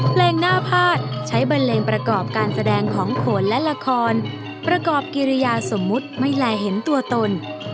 เพลงหน้าพาดใช้บันเลงประกอบการแสดงของโขนและละครประกอบกิริยาสมมุติไม่แลเห็นตัวตน